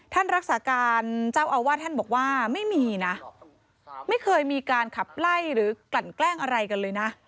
ท่านรักษาการเจ้าอาวาสท่านบอกว่าไม่มีนะไม่เคยมีการขับไล่หรือกลั่นแกล้งอะไรกันเลยนะ